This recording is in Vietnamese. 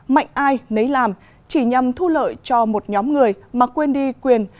mạnh ai nấy làm chỉ nhằm thu lợi cho một nhóm người mà quên đi quyền